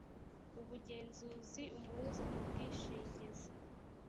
ubugenzuzi umuhuza mu bwishingizi